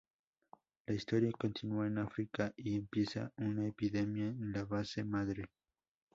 La historia continúa en África y empieza una epidemia en la base madre.